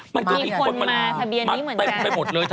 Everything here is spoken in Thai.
มีคนมาทะเบียนนี้เหมือนกัน